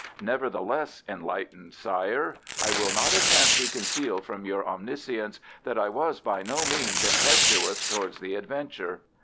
Nevertheless, enlightened sire, I will not attempt to conceal from your omniscience that I was by no means impetuous towards the adventure.